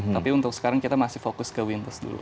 tapi untuk sekarang kita masih fokus ke winds dulu